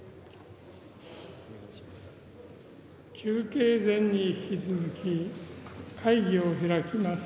休憩前に引き続き、会議を開きます。